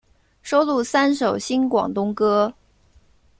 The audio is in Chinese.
收录三首新广东歌。